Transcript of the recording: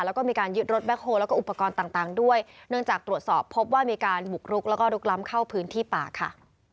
แล้วก็มีการยึดรถแคลแล้วก็อุปกรณ์ต่างด้วยเนื่องจากตรวจสอบพบว่ามีการบุกรุกแล้วก็ลุกล้ำเข้าพื้นที่ป่าค่ะ